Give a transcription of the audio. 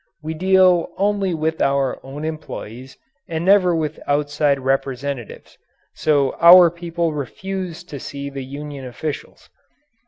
We deal only with our own employees and never with outside representatives, so our people refused to see the union officials.